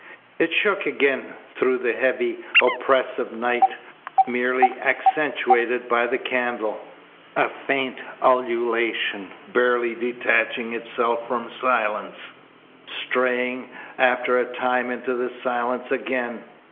It shook again through the heavy, oppressive night, merely accentuated by the candle a faint ululation barely detaching itself from silence, straying after a time into the silence again.